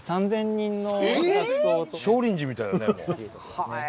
少林寺みたいだね。